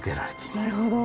なるほど。